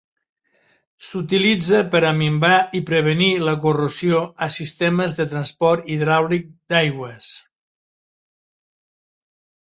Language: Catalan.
S'utilitza per a minvar i prevenir la corrosió a sistemes de transport hidràulic d'aigües.